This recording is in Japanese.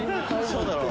そうだろ？